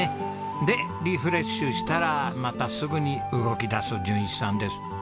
でリフレッシュしたらまたすぐに動き出す淳一さんです。